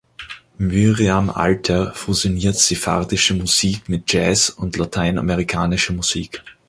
Myriam Alter fusioniert sephardische Musik mit Jazz und lateinamerikanischer Musik.